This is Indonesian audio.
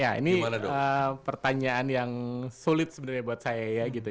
ya ini pertanyaan yang sulit sebenarnya buat saya ya gitu